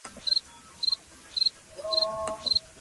Estamos poniendo mucho esfuerzo en eso".